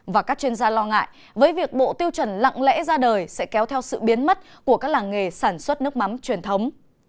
và các chuyên gia lo ngại với việc bộ tiêu chuẩn lặng lẽ ra đời sẽ kéo theo sự biến mất của các làng nghề sản xuất nước mắm truyền thống